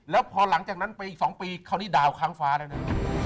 แล้วพอหลังจากนั้นไปอีก๒ปีคราวนี้ดาวค้างฟ้าแล้วนะ